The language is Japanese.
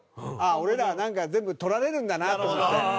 俺らなんか全部取られるんだなと思って。